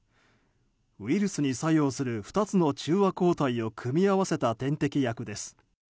ウイルスに作用する２つの中和抗体を組み合わせた点滴薬です。